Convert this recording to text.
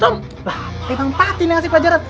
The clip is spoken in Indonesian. lah memang fadil yang ngasih pelajaran